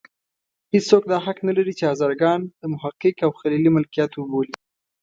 هېڅوک دا حق نه لري چې هزاره ګان د محقق او خلیلي ملکیت وبولي.